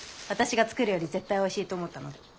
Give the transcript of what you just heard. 私が作るより絶対おいしいと思ったので。